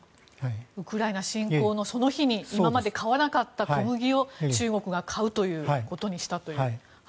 ウクライナ侵攻のその日に今まで買わなかった小麦を中国が買うということにしたという。